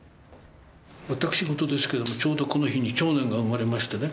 私事ですけどもちょうどこの日に長男が生まれましてね。